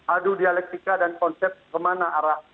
adu dialektika dan konsep kemana arah